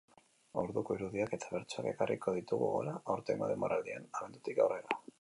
Orduko irudiak eta bertsoak ekarriko ditugu gogora aurtengo denboraldian, abendutik aurrera.